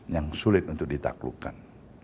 yang sulit untuk ditaklukkan